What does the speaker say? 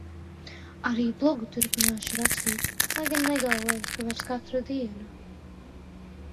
Arī blogu turpināšu rakstīt, lai gan negalvoju, ka vairs katru dienu.